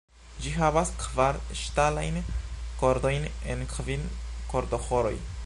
Ĝi havas kvar ŝtalajn kordojn en kvin kordoĥoroj.